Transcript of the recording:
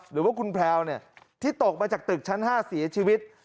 หรือว่าคุณแพลวที่ตกมาจากตึกชั้น๕เสียชีวิต